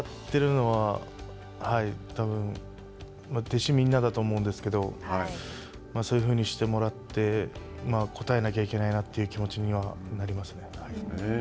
でも、期待してもらっているのは、はい、たぶん、弟子みんなだと思うんですけれども、そういうふうにしてもらって、応えなきゃいけないなという気持ちにはなりますね。